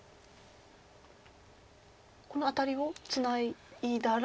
このアタリをツナいだら。